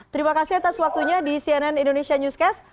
terima kasih atas waktunya di cnn indonesia newscast